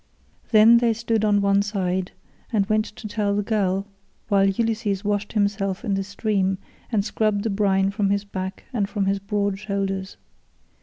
Then they stood on one side and went to tell the girl, while Ulysses washed himself in the stream and scrubbed the brine from his back and from his broad shoulders.